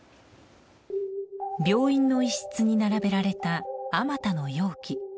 病院の一室に並べられた数多の容器。